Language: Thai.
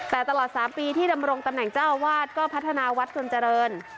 แต่ตลอด๓ปีที่ดำรงตำแหน่งเจ้าอาวาสก็พัฒนาวัดจนเจริญ